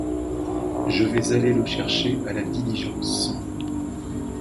Je vais aller le chercher à la diligence.